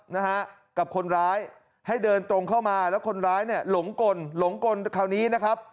นะฮะกับคนร้ายให้เดินตรงเข้ามาแล้วคนร้ายเนี่ยหลงกลหลงกลคราวนี้นะครับ